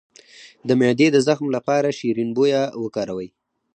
د معدې د زخم لپاره شیرین بویه وکاروئ